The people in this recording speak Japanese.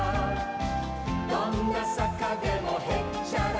「どんなさかでもへっちゃらさ」